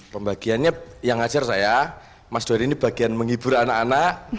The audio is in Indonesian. pembagiannya yang ngajar saya mas doni ini bagian menghibur anak anak